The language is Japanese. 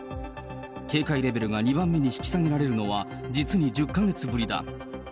警戒レベルが２番目に引き下げられるのは実に１０か月ぶりだ。